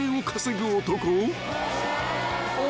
お。